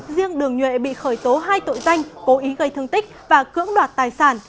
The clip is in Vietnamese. riêng đường nhuệ bị khởi tố hai tội danh cố ý gây thương tích và cưỡng đoạt tài sản